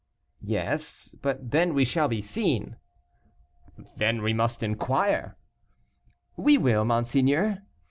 "Yes; but then we shall be seen." "Then we must inquire." "We will, monseigneur."